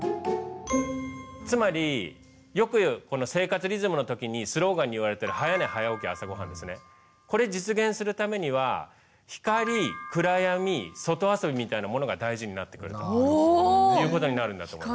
つまりよく言うこの生活リズムの時にスローガンに言われてるこれ実現するためにはみたいなものが大事になってくるということになるんだと思います。